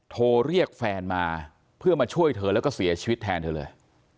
โทรเรียกแฟนมาเพื่อมาช่วยเธอแล้วก็เสียชีวิตแทนเธอเลย